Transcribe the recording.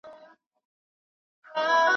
د مړو په جنازه کي ګډون کول د مسلمان حق دی.